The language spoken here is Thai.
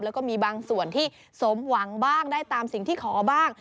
แล้วก็มีบางส่วนที่สมหวังบ้างได้ตามสิ่งที่ขอบ้าง